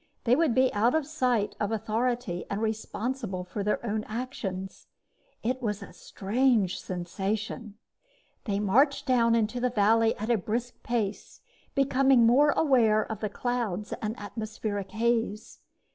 They would be out of sight of authority and responsible for their own actions. It was a strange sensation. They marched down into the valley at a brisk pace, becoming more aware of the clouds and atmospheric haze.